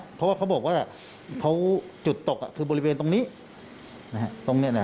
เพราะว่าเขาบอกว่าเขาจุดตกคือบริเวณตรงนี้